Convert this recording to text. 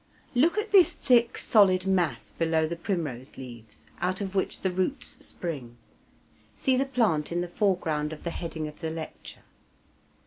Look at this thick solid mass below the primrose leaves, out of which the roots spring. (See the plant in the foreground of the heading of the lecture.)